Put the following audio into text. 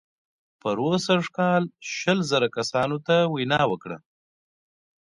پروسږ کال شل زره کسانو ته وینا وکړه.